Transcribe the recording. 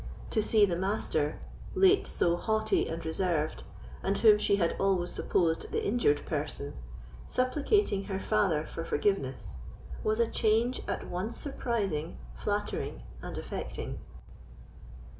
To see the Master, late so haughty and reserved, and whom she had always supposed the injured person, supplicating her father for forgiveness, was a change at once surprising, flattering, and affecting.